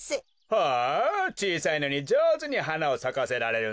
ほうちいさいのにじょうずにはなをさかせられるんだね。